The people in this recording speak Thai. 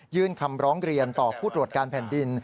คำร้องเรียนต่อผู้ตรวจการแผ่นดิน